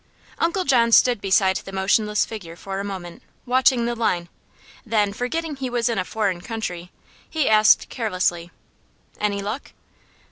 Uncle John stood beside the motionless figure for a moment, watching the line. Then, forgetting he was in a foreign country, he asked carelessly: "Any luck?"